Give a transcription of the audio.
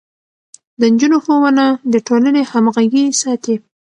د نجونو ښوونه د ټولنې همغږي ساتي.